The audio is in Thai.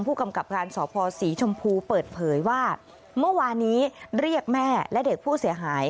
ผู้กำกับการสพศรีชมพูเปิดเผยว่าเมื่อวานี้เรียกแม่และเด็กผู้เสียหาย